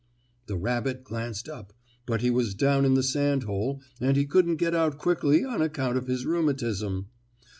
The rabbit glanced up, but he was down in the sand hole and he couldn't get out quickly on account of his rheumatism.